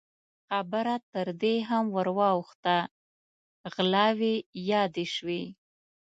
خبره تر دې هم ور واوښته، غلاوې يادې شوې.